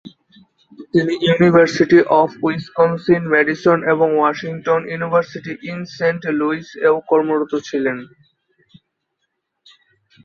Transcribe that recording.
তিনি University of Wisconsin, Madison এবং Washington University in Saint Louis এও কর্মরত ছিলেন।